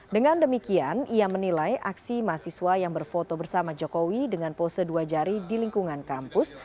dengan demikian ia menilai aksi mahasiswa yang berfoto bersama jokowi dengan pose dua jari di lingkungan kampus